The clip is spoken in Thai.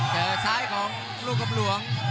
เจอซ้ายของลูกกำหลวง